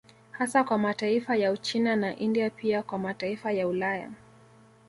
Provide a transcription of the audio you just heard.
Hasa kwa mataifa ya Uchina na India pia kwa mataifa ya Ulaya